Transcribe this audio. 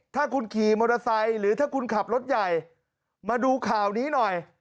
ถ้าคุณขี่มอเตอร์ไซค์หรือถ้าคุณขับรถใหญ่มาดูข่าวนี้หน่อย